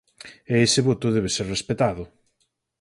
E ese voto debe ser respectado.